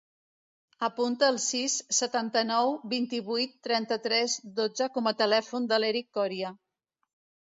Apunta el sis, setanta-nou, vint-i-vuit, trenta-tres, dotze com a telèfon de l'Erick Coria.